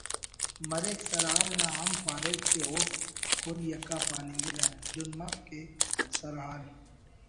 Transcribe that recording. مریک سرحال نا ہم پاریٹ کہ اوفک کل یکا پاننگرہ دن مف کہ دا سرحال